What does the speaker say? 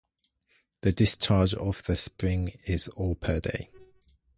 The discharge of the spring is or per day.